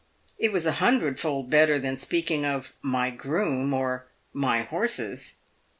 It was a hundredfold better than speak ing of "my groom" or "my horses."